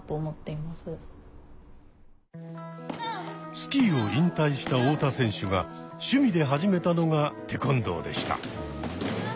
スキーを引退した太田選手が趣味で始めたのが「テコンドー」でした。